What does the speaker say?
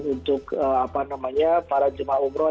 untuk para jemaah umroh